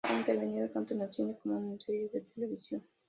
Ha intervenido tanto en el cine como en series de televisión.